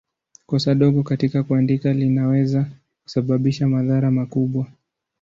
Kosa dogo katika kuandika linaweza kusababisha madhara makubwa.